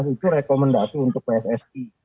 dua belas itu rekomendasi untuk psst